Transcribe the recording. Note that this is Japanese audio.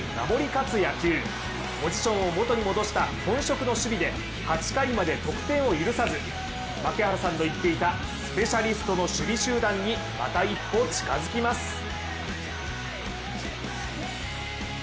守り勝つ野球ポジションを元に戻した本職の守備で８回まで得点を許さず槙原さんの言っていた、スペシャリストの守備集団にまた一歩、近づきます。